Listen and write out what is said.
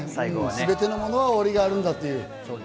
全てのものは終わりがあるんだという。